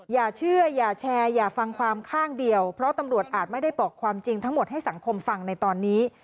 อย่าเชื่ออย่าแชร์อย่าฟังความข้างเดียวเพราะตำรวจอาจไม่ได้บอกความจริงทั้งหมดให้สังคมฟังในตอนนี้